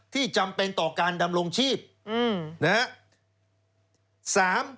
จำเป็นต่อการดำรงชีพนะฮะ